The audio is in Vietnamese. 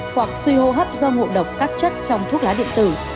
hoặc suy hô hấp do ngộ độc các chất trong thuốc lá điện tử